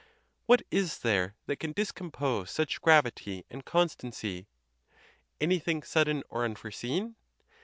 What is there that can discompose such gravity and con stancy? Anything sudden or unforeseen?